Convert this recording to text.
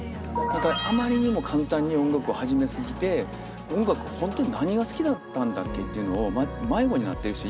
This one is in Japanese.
何かあまりにも簡単に音楽を始め過ぎて「音楽本当に何が好きだったんだっけ？」っていうのを迷子になってる人